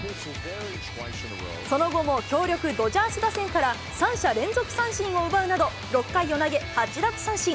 その後も強力ドジャース打線から、３者連続三振を奪うなど、６回を投げ８奪三振。